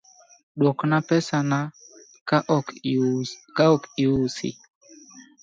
Dwokna pesa na ka ok iusi.